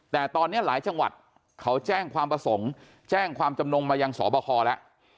แต่ตอนนี้หลายจังหวัดเขาแจ้งความประสงค์แจ้งความจำนงมายังสบคแล้ว